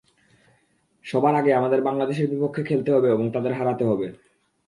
সবার আগে আমাদের বাংলাদেশের বিপক্ষে খেলতে হবে এবং তাদের হারাতে হবে।